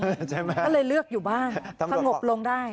เขาเลยเลือกอยู่บ้านสงบลงได้